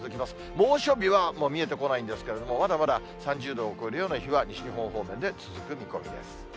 猛暑日はもう見えてこないんですけれども、まだまだ３０度を超えるような日は西日本方面で続く見込みです。